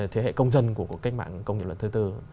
thế hệ công dân của cuộc cách mạng công nhập lần thứ bốn